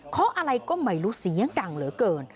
อะไรก็ไม่รู้เสียงดังเหลือเกิน